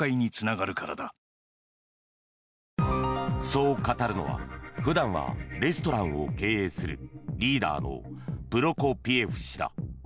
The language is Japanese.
そう語るのは普段はレストランを経営するリーダーのプロコピエフ氏だ。